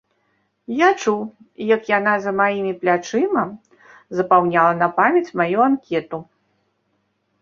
Я чуў, як яна за маімі плячыма запаўняла на памяць маю анкету.